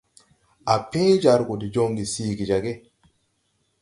Á pẽẽ jar gɔ de jɔŋge siigi jag.